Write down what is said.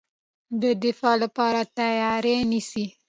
د دفاع لپاره تیاری نیسي.